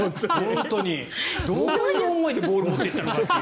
どういう思いでボールを持って行ったのかという。